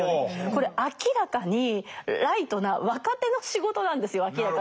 これ明らかにライトな若手の仕事なんですよ明らかに。